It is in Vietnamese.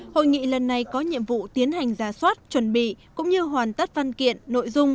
hội nghị lần này có nhiệm vụ tiến hành giả soát chuẩn bị cũng như hoàn tất văn kiện nội dung